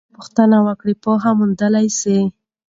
که ته پوښتنه وکړې پوهه موندلی سې.